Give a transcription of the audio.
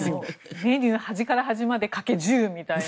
メニュー端から端まで掛ける１０みたいな。